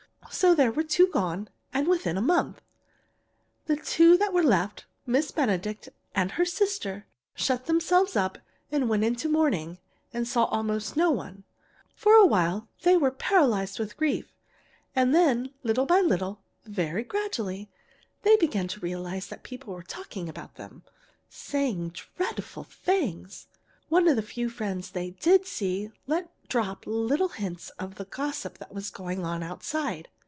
So there were two gone, and within a month. The two that were left, Miss Benedict and her sister, shut themselves up and went into mourning and saw almost no one. For a while they were paralyzed with grief. And then, little by little, very gradually, they began to realize that people were talking about them saying dreadful things. One of the few friends they did see let drop little hints of the gossip that was going on outside.